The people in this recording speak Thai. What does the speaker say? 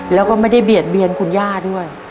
แล้วก็ไม่ได้เบียดเบียนคุณย่าด้วย